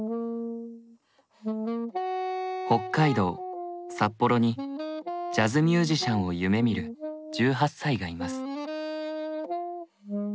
北海道札幌にジャズミュージシャンを夢みる１８歳がいます。